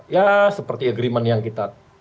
ya seperti agreement yang kita